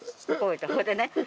ほいでね。